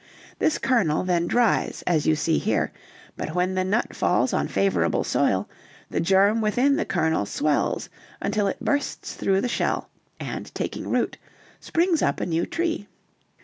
This kernel then dries as you see here, but when the nut falls on favorable soil, the germ within the kernel swells until it bursts through the shell, and, taking root, springs up a new tree."